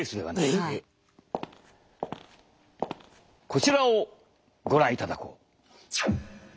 こちらをご覧いただこう。